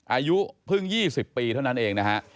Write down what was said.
อายุเพิ่ง๒๐ปีเท่านั้นเองนะฮะ